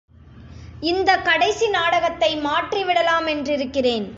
இந்தக் கடைசி நாடகத்தை மாற்றிவிடலாமென்றிருக்கிறேன்.